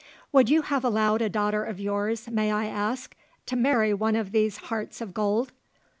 "Would you have allowed a daughter of yours, may I ask, to marry one of these hearts of gold?"